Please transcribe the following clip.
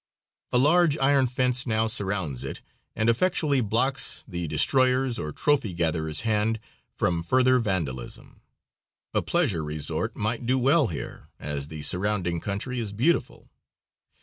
A large iron fence now surrounds it, and effectually blocks the destroyers or trophy gatherer's hand from further vandalism. A pleasure resort might do well here, as the surrounding country is beautiful.